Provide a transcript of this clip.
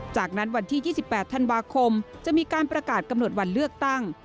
จากนั้นวันที่๒๘ธันวาคมจะมีการประกาศกำหนดวันเลือกตั้ง